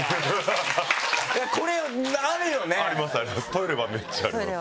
トイレはめっちゃあります。